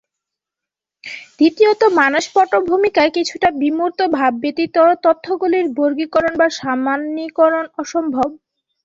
দ্বিতীয়ত মানস পটভূমিকায় কিছুটা বিমূর্ত ভাব ব্যতীত তথ্যগুলির বর্গীকরণ বা সামান্যীকরণ অসম্ভব।